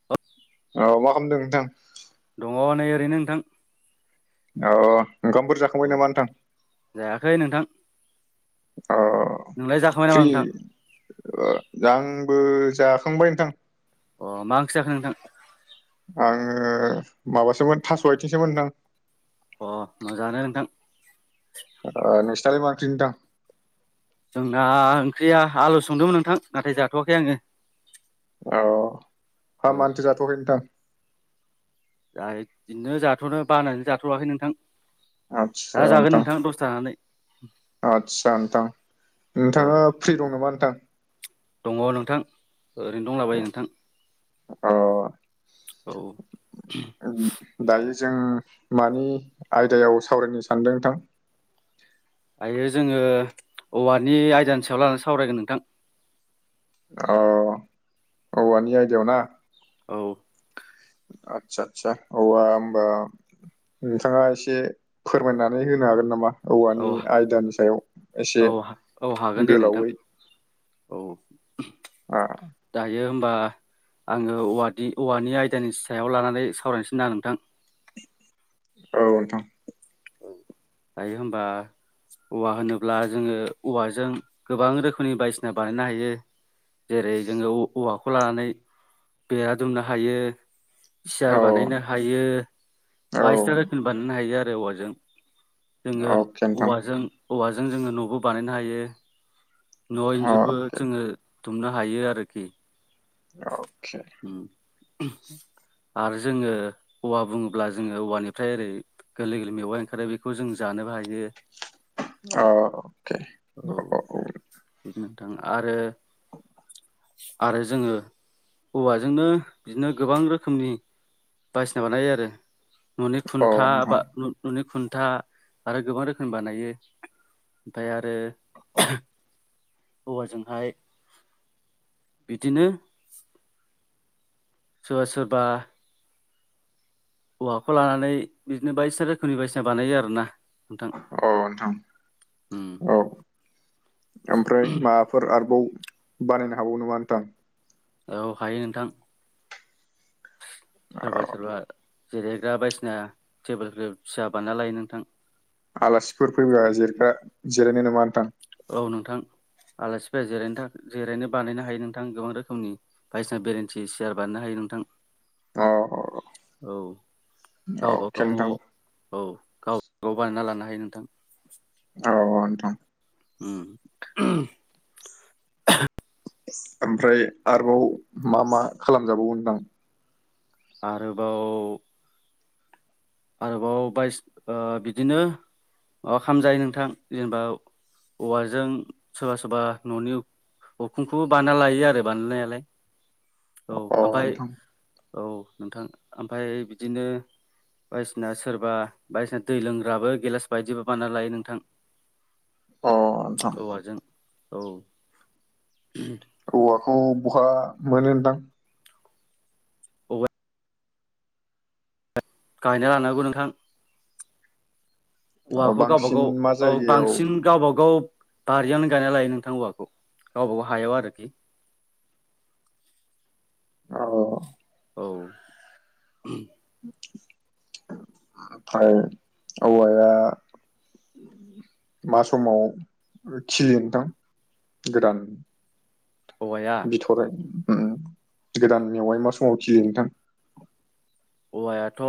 [unintelligible] औ मा खालामदों नोंथां दङ नै ओरैनो नोंथां अ ओंखामफोर औ जाखांबाय नामा नोंथां जायाखै नोंथां अ नोंलाय जाखांबाय नामा फ्रि नोंथां आंबो जाखांबाय नोंथां अ मा ओंख्रि जाखो नोंथां आङो माबासोमोन थास' आइथिंसोमोन नोंथां अ मोजाङानो नोंथां नोंसिनालाय मा ओंख्रि नोंथां जोंना ओंख्रिया आलु संदोंमोन नोंथां नाथाय जाथ'वाखै आङो अ हा औ मानोथो जाथ'आखै नोंथां बिदिनो जाथ'नो बानायनानै जाथ'वाखै नोंथां दा जागोन नोंथां दस सानानै आदसा नोंथां औ नोंथाङा फ्रि दं नामा नोंथां दङ नोंथां ओरैनो दंलाबायो नोंथां अ औ दायो जों मानि आयदायाव सावरायनो सानदों नोंथां दायो जोङो औवानि आयदानि सायाव लानानै सावरायगोन नोंथां औ औवानि आयदायाव ना औ। आतसा आसा औवा होनबा नोंथाङा एसे फोरमायनानै होनो हागोन नामा? औ औवानि आयदानि सायाव एसे औ औ हागोन दे नोंथां गोलावै औ। आ दायो हबा आङो औव औवानि आयदानि सायाव लानानै सावरायनोसै ना नोंथां। औ नोंथां। दायो होनबा औवा होनोब्ला जोङो औवाजों गोबां रोखोमनि बायदिसिना बानायनो हायो। जेरै जोङो औवाखौ लानानै बेरा दुमनो हायो। सियार औ बानायनो हायो औ बायसिना रोखोमनि बानायनो हायो आरो औवाजों। जोङो अके नोंथां औवाजों औवाजों जोङो न'बो बानायनो हायो। न' इन्जुरबो अके जोङो दुमनो हायो आरोखि अके। आरो जोङो औवा बुङोब्ला जोङो औवानिफ्राय ओरै गोरलै गोरलै मेवाइ ओंखारो बेखौ जों जानोबो हायो। अके औ नोंथां आरो। आरो जोङो। औवाजोंनो बिदिनो गोबां रोखोमनि बासिना बानायो आरो। न'नि औ खुन्था बा नोंथां न'नि खुन्था आरो गोबां रोखोमनि बानायो। ओमफ्राय आरो औवाजोंहाय बिदिनो। सोरबा सोरबा औवाखौ लानानै बिदिनो बायदिसिना रोखोमनि बायदिसिना बानायो आरो ना औ नोंथां उम औ ओमफ्राय माबा फोर आरोबाव बानायनो हाबावो नङा नोंथां? औ हायो नोंथां सोरबा सोरबा। जिरायग्रा बायदिसिना टेबोलफोर फिसा बानना लायो नोंथां। आलासिफोर फैबा जिरग्रा जिरायनाय नङा नोंथां औ नोंथां आलासि फै जनो जिरायनो बानायनो हायो नोंथां गोबां रोखोमनि। बायसिना बेरेन्टि सेयार बानायनो हायो नोंथां। अ औ गावबा अके गाव नोंथां न'आव औ गाव गाव बानायना लानो हायो नोंथां। औ ओ नोंथां ओम [unintelligible] ओमफ्राय आरोबाव मा मा खालामजाबावगोनदां? आरोबाव आरोबाव बायस ओ बिदिनो माबा खालामजायो नोंथां जेनेबा औवाजों सोरबा सोरबा न'नि अखुंखौबो बाना लायो आरो बानायनायालाय। औ अ ओमफाय नोंथां औ नोंथां ओमफ्राय बिदिनो बायदिसिना सोरबा बायदिसिना दै लोंग्राबो गेलास बायदिबो बानना लायो नोंथां। अ नोंथां औवाजों औ। औवाखौ बहा मोनो नोंथां? औवा गायना लानांगौ नोंथां अ औवाखौ गावब बांसिन गाव मा औ जायगायाव बांसिन गावबा गाव बारियावनो गायना लायो नोंथां हौवाखौ गावबाागाव हायाव आरोखि। औ। औ। फ्राय औवाया मा समाव खिलियो नोंथां गोदान औवाया थ'राय ओम गोदान मेवाय मा समाव खिलियो नोंथां? औवायाथ'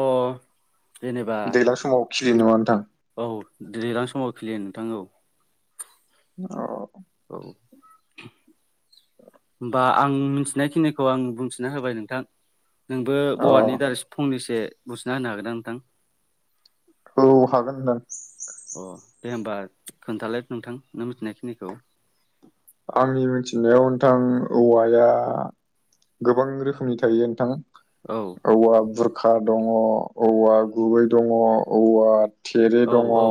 जेनेबा दैलां समाव खिलियो नामा नोंथां औ दै्लां समाव खिलियो नोंथां औ औ औ होमबा आं मिनथिनायखिनिखौ आं बुंथिना होबाय नोंथां नोंबो अ औवानि दारै फंनैसे बुंथिना होनो हागोनना नोंथां? औ हागोन नोंथां अ दे होमबा खोन्थालाय नोंथां नों मिथिनायखिनिखौ आंनि मिथिनायाव नोंथां औवाया गोबां रोखोमनि थायो नोंथां औ औवा बुरखा दङ', औवा गुबै दङ', औवा थेरे औ दङ' औ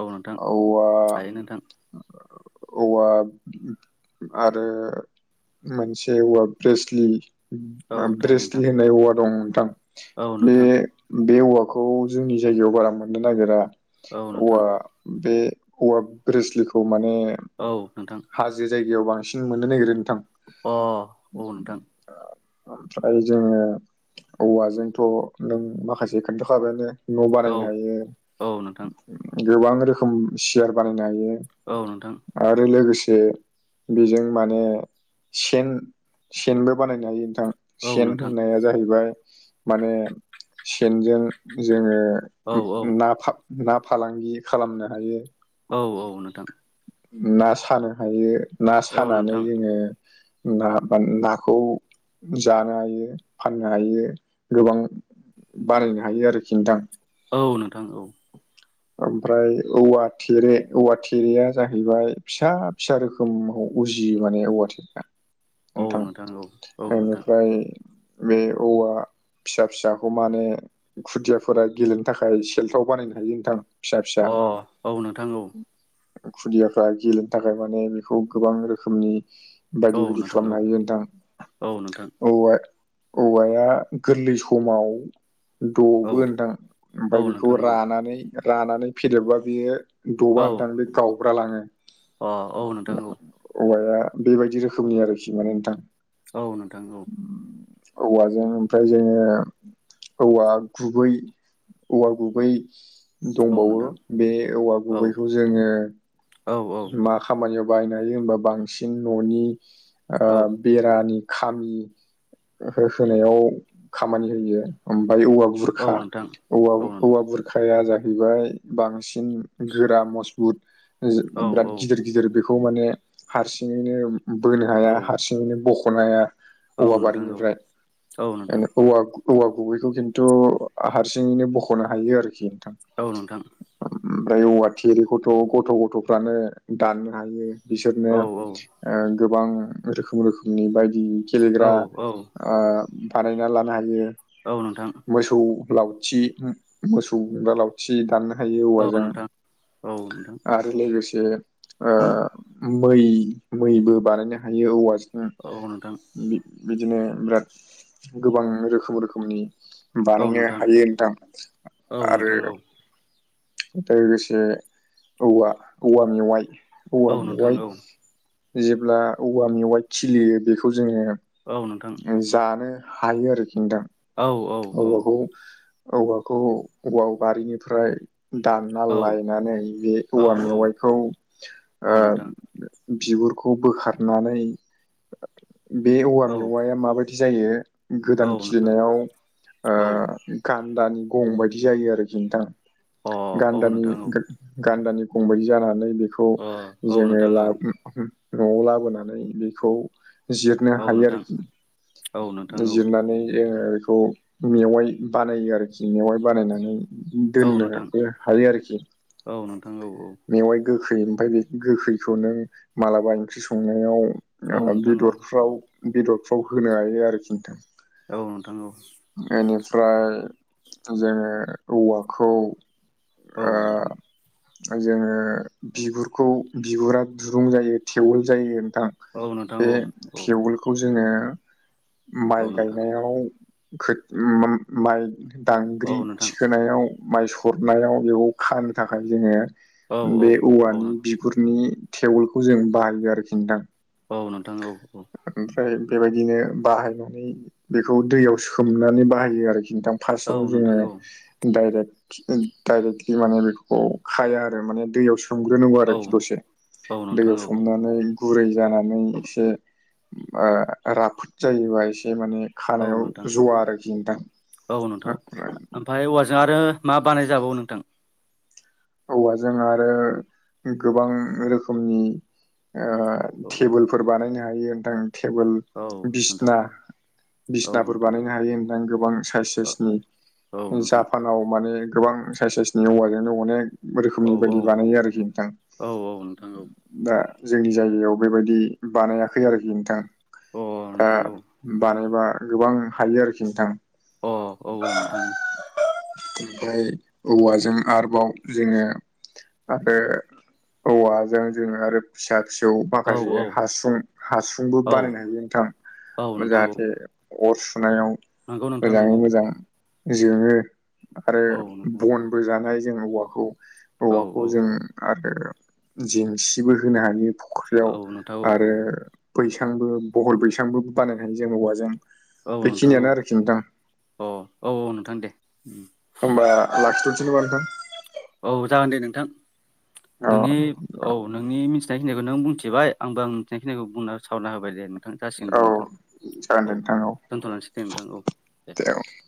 औ नोंथां औवा थायो नोंथां औवा आरो मोनसे औवा ब्रेस्लि औ मा थायो नोंथां ब्रेस्लि होननाय औवा दं नोंथां औ बे नोंथां बे औवाखौ जोंनि जायगायाव बारा मोननो नागिरा औ नोंथां औवा बे औवा ब्रेस्लिखौ माने औ नोंथां हाजो जायगायाव बांसिन मोननो नागिरो नोंथां अ औ नोंथां ओमफाय जोङो औवाजोंथ' नों माखासे खोन्थाखाबायानो न' औ बानायनो हायो औ नोंथां गोबां रोखोम सियार बानायनो हायो औ नोंथां आरो लोगोसे जे बेजों माने सेन सेनबो बानायनो हायो औ सेन नोंथां होननाया जाहैबाय माने सेनजों जोङो औ औ ना फा ना फालांगि खालामनो हायो औ औ नोंथां ना सानो हायो ना औ सानानै नोंथां जोङो ना बा नाखौ जानो हायो फाननो हायो गोबां बारायनो हायो आरोखि नोंथां औ नोंथां औ ओमफ्राय औवा थेरे औवा थेरेया जाहैबाय फिसा फिसा रोखोम खोम उजियो माने औवा थेरेया औ नोंथां औ औ नोंथां ओनिफ्राय बे औवा फिसा फिसाखौ माने खुदियाफोरा गेलेनो थाखाय सेल्थाव बानायनो हायो नोंथां फिसा फिसा अ औ नोंथां औ खुदियाफ्रा गेलेनो थाखाय माने बेखौ गोबां रोखोमनि बायदि औ बायदि नोंथां खालामनो औ हायो नोंथां औ नोंथां औवा औवाया गोरलै समाव औ द'बो नोंथां औ ओमफाय बेखौ नोंथां औ रानानै रानानै फदेबबा बियो द'बा औ नोंथां बे गावब्रा लाङो अ औ नोंथां औ औवाया बेबायदि रोखोमनि आरोखि माने नोंथां औ नोंथां औ औवाजों ओमफ्राय जोङो औवा गुबै औवा गुबै औ दंबावो बे औवा गुबैखौ जोङो औ औ मा खामानियाव बायनो हायो होनबा बांसिन न'नि ओ बेरानि। खामि हो होनायाव खामानि होयो ओमफ्राय औवा बुरखा नोंथां औवा औ नोंथां औवा बुर खाया जाहैबाय बांसिन गोरा मजबुत औ बिराद गिदिर गिदिर बे बेखौ माने हारसिङैनो बोनो हाया हारसिङैनो बख'नो हाया। औ औव नोंथां औ नोंथां बारिनिफ्राय औ नोंथां ओ औवा गुबै औवा गुबैखौ खिन्थु हारसिङैनो बख'नो हायो आरोखि नोंथां। औ औ ओमफ्राय औवा थेरेखौथ' गथ' गथ'फ्रानो दाननो हायो। औ बिसोरनो ओ गोबां रोखोम रोखोमनि बायदि गेलेग्रा आं बानायना लानो हायो। औ नोंथां मोसौ लावथि मोसौ दा लावथि दाननो हायो औ औवाजों। नोंथां औ नोंथां आरो लोगोसे ओ मै मैबो बानायनो हायो औवाजों। औ नोंथां। बिदिनो बिराद गोबां रोखोम रोखोमनि औ नोंथां औ बानायनो नोंथां हायो नोंथां औ आरो नोंथां औ लोगोसे औवा औवा मेवाइ औवा औ नोंथां मेवाइ औ जेब्ला औवा मेवाइ खिलियो बेखौ जोङो औ नोंथां जानो हायो आरोखि नोंथां औ औ औवाखौ। औवाखौ औवा बारिनिफ्राय दानना औ लायनानै बे औ औौवा औ मेवाइखौ ओ औ नोंथां बिगुरखौ बोखारनानै बे औवा औ मेवाया माबायदि बिदि जायो औ गोदान नोंथां खिलिनायाव औ ओ गान्दानि गं बायदि जायो आरोखि नोंथां अ औ गान्दानि नोंथां औ गान्दानि गंबायदि जानानै बेखौ अ औ जोङो नोंथां ला औ न'आव लाबोनानै बेखौ जिरनो औ हायो नोंथां आरोखि औ नोंथां औ जिरनानै जोङो बेखौ मेवाइ बानायो आरोखि मेवाइ बानायनानै दोननोबो हायो आरोखि। औ नोंथां औ औ मेवाइ गोखै ओमफफ्राय बे गोखैखौ नों मा्लाबा ओंख्रि औ संनायाव नोंथां औ बेदरफ्राव बेदरफ्राव होनो हायो आरोखि नोंथां। औ नोंथां औ बेनिफ्राय जोङो औवाखौ औ नोंथां औ नोंथां औ अ नोंथां औ नोंथां औ नोंथां औ नोंथां औ नोंथां औ जोङो बिगुरखौ बिगुरा दुरुं जायो थेवोल जायो। थां बे थेवलखौ खौ जोङो माइ गायनायाव खो ओ माइ दांग्रि थिखोनायाव माइ सरनायाव बेखौ खानो थाखाय जोङो बे औवानि बिगुरनि थेवलखौ जों बाहायो आरोखि नोंथां। औ नोंथां औ औ औ ओमफ्राय बेबायदिनो बाहायनानै बेखौ दैयाव सोमनानै बाहायो आरोखि नोंथां। फार्स्टआव जोङोे डाइरेक्टलि माने बेफोरखौ खाया आरो। म दैयाव स्रोमग्रो नांगौ आरोखि दसे दै नोंथां सोमनानै ओ गुरै जानानै एसे ओ राफोद जायोबा एसे माने खानायाव जवा आरोखिनो नोंथां ओमफाय औवाजों आरो मा बानाय जाबावो नोंथां औवाजों आरो गोबां रोखोमनि टेबोल फोर बानायनो हायो दाइनिं टेबोल औ नोंथां औ बिसिनाफोर नोंथां बानायनो हायो ओमफाय गोबां साइस औ साइसनि नोंथां जापानाव माने गोबां साइस साइसनि औवाजोंनो अनेक औ रोखोमनि औ बायदि बानायो आरोखि नोंथां औ औ नोंथां औ दा जोंनि जायगायाव बेबायदि बानायाखै आरोखि नोंथां अ नोंथां औ बानायबा गोबां हायो आरोखि नोंथां अ औ औ नोंथांनो ओमफ्राय औवाजों आरोबाव जोङो आरो औवाजों जोङो आरो फिसा फिसौ औ माखासे हासुं हासुंबो औ बानायनो हायो औ नोंथां नोंथां औ जाहाथे अर सुनायाव नंगौ नोंथां मोजाङै नंगौ मोजां जोङो आरो औ नोंथां बनबो जानाय जों औवाखौ औ औवाखौ औ जों आरो जेंसिबो होनो हायो फुख्रियाव औ नोंथां औ आरो बैसांबो बहल बैसांबो बानायनो हायो जों औवाजों औ नोंथां औ बेखिनियानो औ आरोखि नोंथां औ औ नोंथां दे होमबा लाखाथनोसै नामा नोंथां औ जागोन दे नोंथां औ नोंनि औ नोंनि मि मिनथिनायखिनिखौ नों बुंथिबाय आंबो आं मिनथिनायखिखौ बुंना सावराना होबबाय दे नोंथां जासिगोन दे औ नोंथां जागोन औ दे नोंथां दोनथ'लांसै दे नोंथां औ दे [unintelligible]